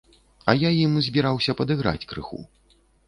А я ім збіраўся падыграць крыху.